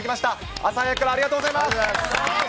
朝早くからありがとうございます。